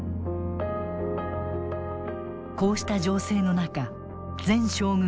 こうした情勢の中前将軍